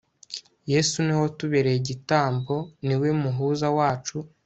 Yesu ni we watubereyigitambo Ni we Muhuza wacu